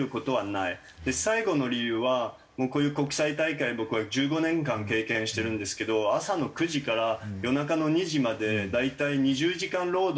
最後の理由はこういう国際大会僕は１５年間経験してるんですけど朝の９時から夜中の２時まで大体２０時間労働でやってるんですよ。